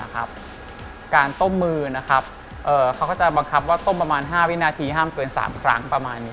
การต้มมือเขาก็จะบังคับว่าต้มประมาณ๕วินาทีห้ามเกิน๓ครั้งประมาณนี้